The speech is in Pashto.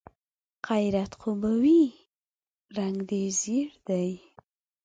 خيرت خو به وي؟ رنګ دې ژېړ ښکاري.